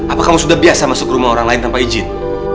apa kamu sudah biasa masuk ke rumah orang lain tanpa izin